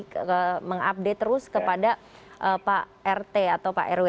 untuk mengupdate terus kepada pak rt atau pak rw